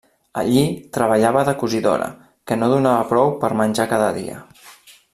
Allí treballava de cosidora que no donava prou per menjar cada dia.